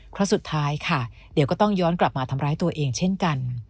ครั้งสุดท้ายค่ะเดี๋ยวก็ต้องย้อนกลับมาทำร้ายตัวเองเช่นกัน